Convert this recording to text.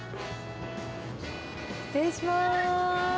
失礼します。